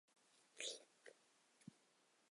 监生出身。